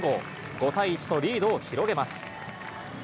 ５対１とリードを広げます。